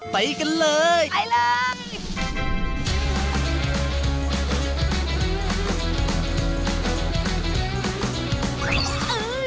ไปกันเลยไปเลย